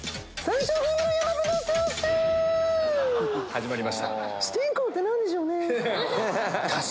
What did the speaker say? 始まりました。